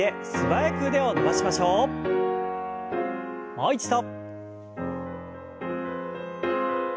もう一度。